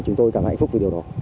chúng tôi cảm hạnh phúc vì điều đó